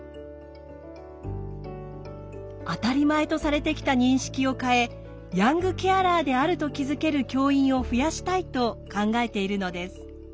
「当たり前」とされてきた認識を変えヤングケアラーであると気づける教員を増やしたいと考えているのです。